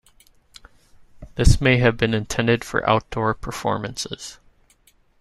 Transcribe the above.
This may have been intended for outdoor performances.